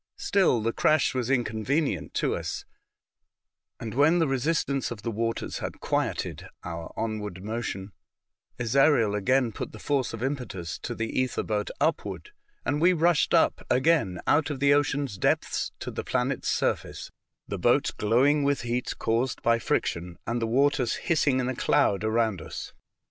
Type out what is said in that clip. Still, the crash was inconvenient to us, and when the resistance of the waters had quieted our onward motion, Ezariel again jout the force of impetus to the ether boat upward, and we rushed up again out of the ocean depths to the planet's surface, the boat glowing with heat caused by friction, and the waters hissing in a cloud around us.